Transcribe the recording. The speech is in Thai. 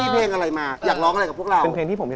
เพราะนี่เค้ามีเพลงอะไรมา